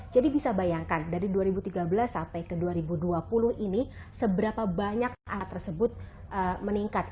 jadi bisa bayangkan dari dua ribu tiga belas sampai ke dua ribu dua puluh ini seberapa banyak alat tersebut meningkat